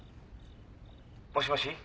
☎もしもし？